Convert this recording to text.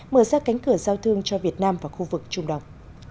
mở ra cánh cửa giao thương cho việt nam và khu vực trung đồng